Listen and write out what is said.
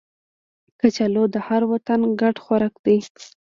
کچالو د هر وطن ګډ خوراک دی